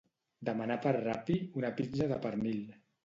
Demanar per Rappi una pizza de pernil.